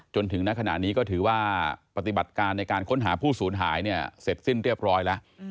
จนถึงณขณะนี้ก็ถือว่าปฏิบัติการในการค้นหาผู้สูญหายเนี่ยเสร็จสิ้นเรียบร้อยแล้ว